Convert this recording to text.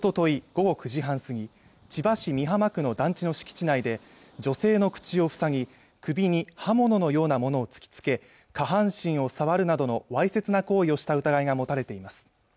午後９時半過ぎ千葉市美浜区の団地の敷地内で女性の口を塞ぎ首に刃物のようなものを突きつけ下半身を触るなどのわいせつな行為をした疑いが持たれています